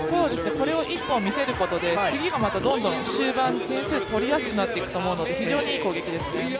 これを一本見せることで、どんどん終盤に点数取りやすくなってくると思うので非常にいい攻撃ですね。